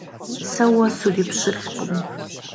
Сэ уэ сурипщылӀкъым!